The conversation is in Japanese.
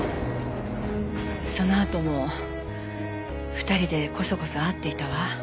そのあとも２人でコソコソ会っていたわ。